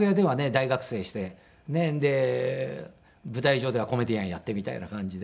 大学生してで舞台上ではコメディアンやってみたいな感じで。